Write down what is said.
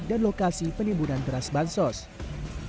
dan lokasi penimbunan beras bantuan sosial